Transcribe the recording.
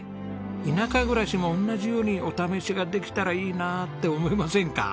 田舎暮らしも同じようにお試しができたらいいなあって思いませんか？